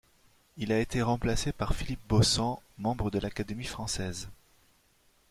Il a été remplacé par Philippe Beaussant, membre de l'Académie française.